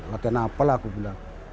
latihan apa lah